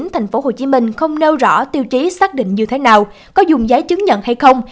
tp hcm không nêu rõ tiêu chí xác định như thế nào có dùng giấy chứng nhận hay không